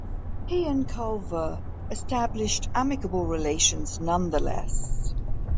He and Culver established amicable relations nonetheless.